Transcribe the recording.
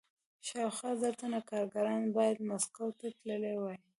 شاوخوا زر تنه کارګران باید مسکو ته تللي وای